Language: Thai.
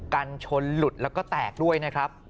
กันชนหลุดแล้วก็แตกด้วยนะครับ